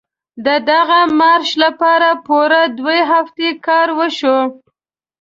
د دغه مارش لپاره پوره دوه هفتې کار وشو.